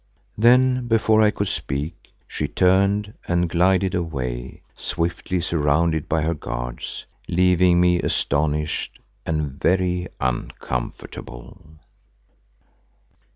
Then before I could speak she turned and glided away, swiftly surrounded by her guards, leaving me astonished and very uncomfortable.